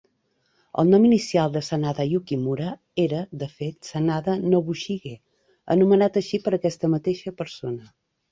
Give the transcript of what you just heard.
El nom inicial de Sanada Yukimura era, de fet, Sanada Nobushige, anomenat així per aquesta mateixa persona.